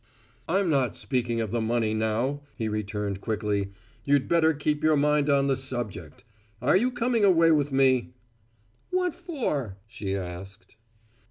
"I'm not speaking of the money now," he returned quickly. "You'd better keep your mind on the subject. Are you coming away with me?" "What for?" she asked.